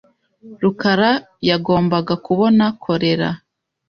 rukarayagombaga kubona kolera.